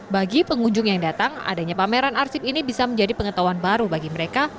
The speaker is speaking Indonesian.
bagi pengunjung yang datang adanya pameran arsip ini bisa menjadi pengetahuan baru bagi mereka